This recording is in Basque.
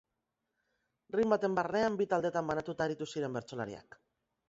Ring baten barnean bi taldetan banatuta aritu ziren bertsolariak.